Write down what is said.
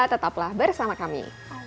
tetaplah bersama kami